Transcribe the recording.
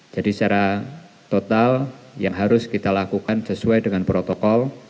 jadi secara total yang harus kita lakukan sesuai dengan protokol